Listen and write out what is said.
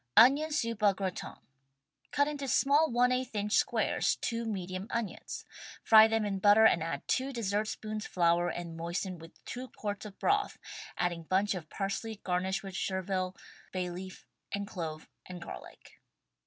ONION SOUP AU GRATIN Cut into small J^ inch squares two medium onions, fry them in butter and add two dessert spoons flour and WRITTEN FOR MEN BY MEN moisten with two quarts of broth, adding bunch of parsley garnished with chervil, bay leaf and clove and garlic.